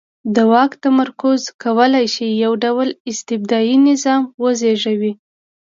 د واک تمرکز کولای شي یو ډ ول استبدادي نظام وزېږوي.